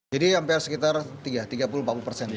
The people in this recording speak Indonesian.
jadi hampir sekitar tiga puluh empat puluh persen